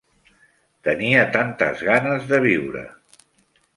Tenia tantes ganes de viure.